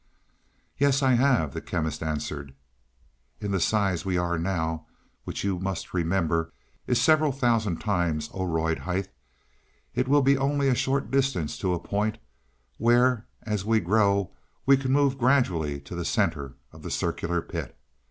"Yes, I have," the Chemist answered. "In the size we are now, which you must remember is several thousand times Oroid height, it will be only a short distance to a point where as we grow we can move gradually to the centre of the circular pit.